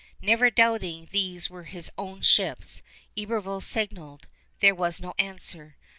Never doubting these were his own ships, Iberville signaled. There was no answer.